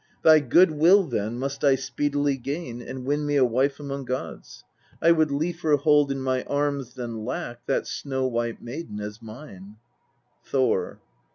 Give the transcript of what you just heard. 7. Thy good will then must I speedily gain and win me a wife among gods : I would liefer hold in my arms than lack that snow white maiden as mine. Thor.